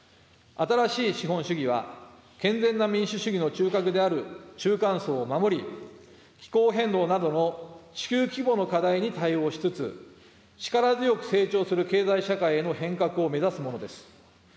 新しい資本主義は、健全な民主主義の中核である中間層を守り、気候変動などの地球規模の課題に対応しつつ、力強く成長する経済社会への変革を目指すものです。